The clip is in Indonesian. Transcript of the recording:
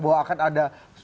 bahwa akan ada